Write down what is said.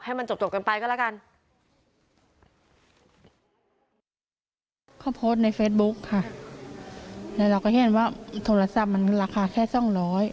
ให้มันจบกันไปก็แล้วกัน